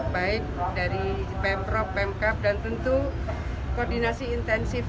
baik dari pemprov pemkap dan tentu koordinasi intensif